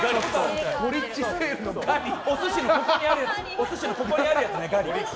お寿司のここにあるやつねガリ。